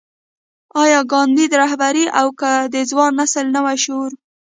ايا کانديد رهبري او که د ځوان نسل نوی شعور.